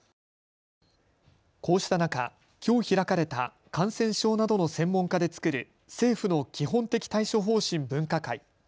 こうした中、きょう開かれた感染症などの専門家で作る政府の基本的対処方針分科会。